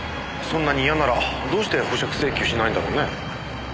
そんなに嫌ならどうして保釈請求しないんだろうね？